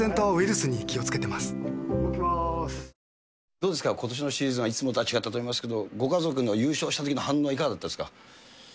どうですか、ことしのシーズンはいつもとは違ったと思いますけど、ご家族の優勝したときの反応はいかがだったですか？